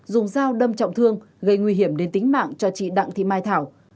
dùng dao đâm trọng thương gây nguy hiểm đến tính mạng cho chị đặng thị mai thảo